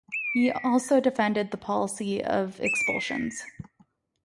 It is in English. He also defended the policy of expulsions.